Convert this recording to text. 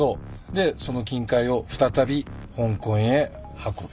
でその金塊を再び香港へ運ぶ。